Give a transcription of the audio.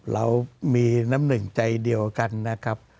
เรามีน้ำหนึ่งใจเดียวกันนะครับ